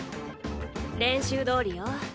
練習どおりよ。